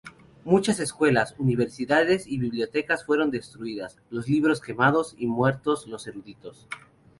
Muchas escuelas, universidades y bibliotecas fueron destruidas, los libros quemados, y muertos los eruditos.